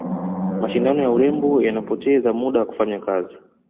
mashindano ya urembo yanapoteza muda wa kufanya kazi